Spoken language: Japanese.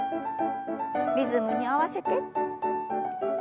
リズムに合わせて。